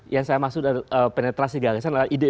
yang saya maksud penetrasi gagasan adalah ide ide penyelidikan